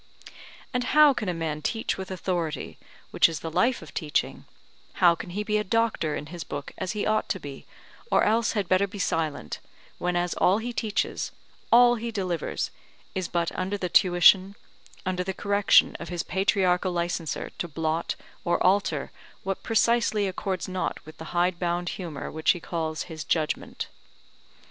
And how can a man teach with authority, which is the life of teaching; how can he be a doctor in his book as he ought to be, or else had better be silent, whenas all he teaches, all he delivers, is but under the tuition, under the correction of his patriarchal licenser to blot or alter what precisely accords not with the hidebound humour which he calls his judgment?